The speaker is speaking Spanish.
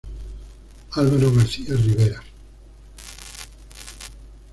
Álvaro García Rivera